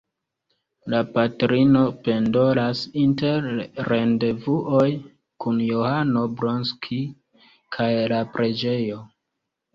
La patrino pendolas inter rendevuoj kun Johano Bronski kaj la preĝejo.